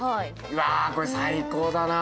うわこれ最高だな。